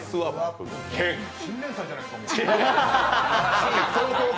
新連載じゃないですか？